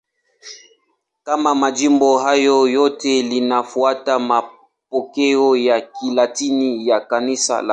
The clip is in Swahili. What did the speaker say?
Kama majimbo hayo yote, linafuata mapokeo ya Kilatini ya Kanisa la Roma.